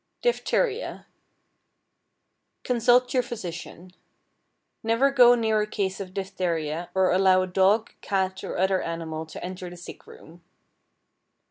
=Diphtheria.= Consult your physician. Never go near a case of diphtheria or allow a dog, cat, or other animal to enter the sick room.